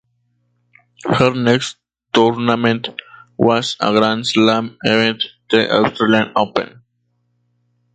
Her next tournament was a Grand Slam event; the Australian Open.